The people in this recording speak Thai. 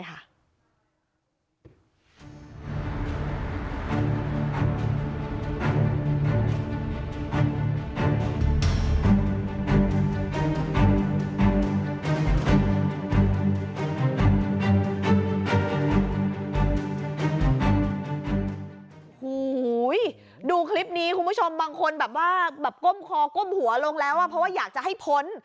โอ้โหดูคลิปนี้คุณผู้ชมบางคนแบบว่าแบบก้มคอก้มหัวลงแล้วเพราะว่าอยากจะให้พ้น